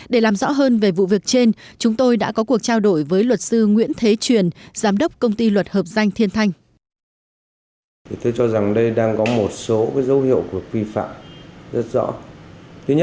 để làm rõ hơn về vụ việc trên chúng tôi đã có cuộc trao đổi với luật sư nguyễn thế truyền giám đốc công ty luật hợp danh thiên thanh